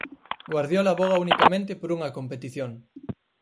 Guardiola avoga unicamente por unha competición.